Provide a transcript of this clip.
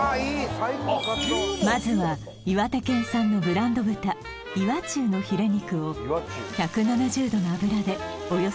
最高まずは岩手県産のブランド豚岩中のヒレ肉を１７０度の油でおよそ９０秒ほど揚げる